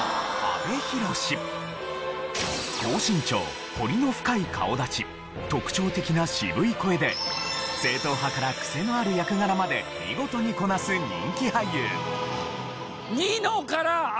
高身長彫りの深い顔立ち特徴的な渋い声で正統派からクセのある役柄まで見事にこなす人気俳優。